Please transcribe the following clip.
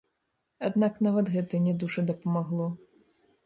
Аднак нават гэта не дужа дапамагло.